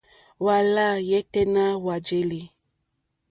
Hwá lâ yêténá hwá jēlì.